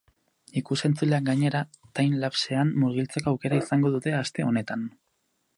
Ikus-entzuleak gainera, timelapsean murgiltzeko aukera izango dute aste honetan.